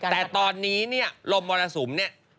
แต่ตอนนี้เนี่ยลมมรสุมเนี่ย